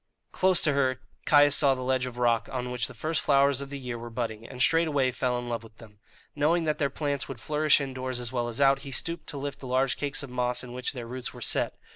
Close to her Caius saw the ledge of rock on which the first flowers of the year were budding, and straightway fell in love with them. Knowing that their plants would flourish indoors as well as out, he stooped to lift the large cakes of moss in which their roots were set.